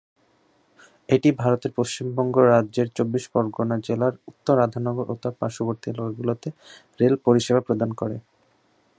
এটি ভারতের পশ্চিমবঙ্গ রাজ্যের দক্ষিণ চব্বিশ পরগনা জেলার উত্তর রাধানগর ও তার পার্শ্ববর্তী এলাকাগুলিতে রেল পরিষেবা প্রদান করে।